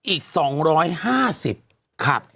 อีก๒๕๐ครับ